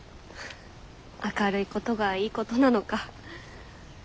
明るいことがいいことなのか。